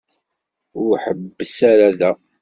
Ur ḥebbes ara da.